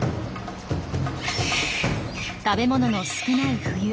食べ物の少ない冬。